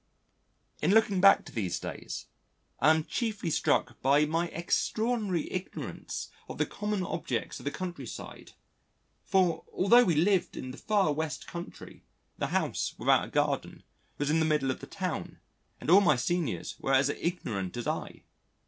In looking back to these days, I am chiefly struck by my extraordinary ignorance of the common objects of the countryside, for although we lived in the far west country, the house, without a garden, was in the middle of the town, and all my seniors were as ignorant as I.